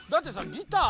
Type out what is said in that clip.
ギター。